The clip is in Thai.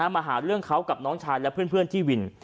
มาหาเรื่องเขากับน้องชายและเพื่อนที่วิน